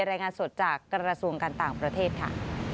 รายงานสดจากกระทรวงการต่างประเทศค่ะ